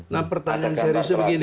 nah pertanyaan seriusnya begini